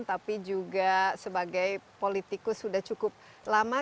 tapi juga sebagai politikus sudah cukup lama